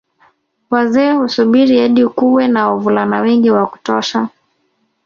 Wazee husubiri hadi kuwe na wavulana wengi wa kutosha